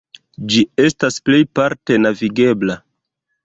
Ĝi estas plejparte navigebla.